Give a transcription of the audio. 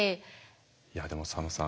いやでも佐野さん